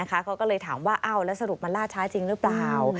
เขาก็เลยถามว่าแล้วสรุปมันล่าช้าจริงหรือเปล่า